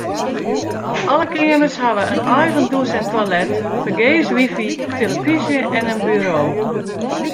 Alle keamers hawwe in eigen dûs en toilet, fergees wifi, tillefyzje en in buro.